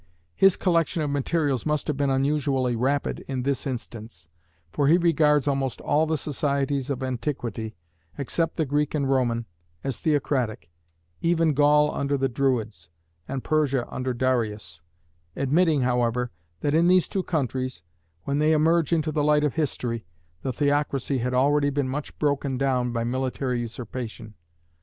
His collection of materials must have been unusually "rapid" in this instance, for he regards almost all the societies of antiquity, except the Greek and Roman, as theocratic, even Gaul under the Druids, and Persia under Darius; admitting, however, that in these two countries, when they emerge into the light of history, the theocracy had already been much broken down by military usurpation.